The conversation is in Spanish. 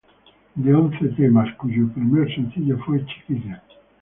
De once temas, cuyo primer sencillo fue "Chiquilla".